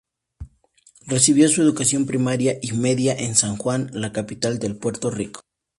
Recibió su educación primaria y media en San Juan, la capital de Puerto Rico.